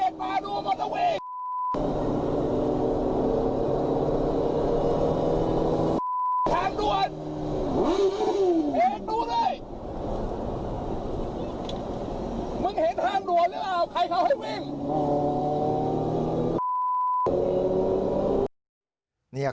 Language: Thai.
มึงเห็นทางด่วนหรือเปล่าใครเขาให้วิ่ง